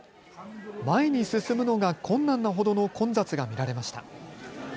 前に進むのが困難なほどの混雑が見られました。